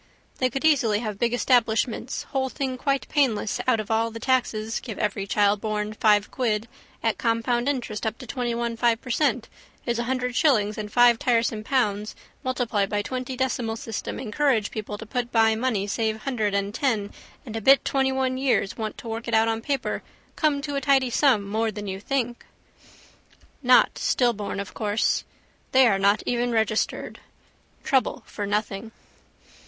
They could easily have big establishments whole thing quite painless out of all the taxes give every child born five quid at compound interest up to twentyone five per cent is a hundred shillings and five tiresome pounds multiply by twenty decimal system encourage people to put by money save hundred and ten and a bit twentyone years want to work it out on paper come to a tidy sum more than you think. Not stillborn of course. They are not even registered. Trouble for nothing.